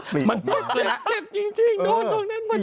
ที่เย็บเลยอะ